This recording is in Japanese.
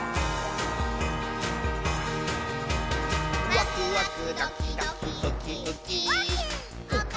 「ワクワクドキドキウキウキ」ウッキー。